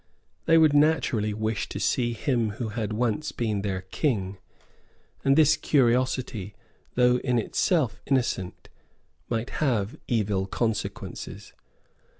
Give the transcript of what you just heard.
They would naturally wish to see him who had once been their king; and this curiosity, though in itself innocent, might have evil consequences.